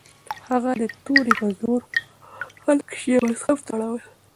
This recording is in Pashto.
هغه د توري په زور خلک شیعه مذهب ته اړول.